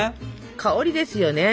香りですよね。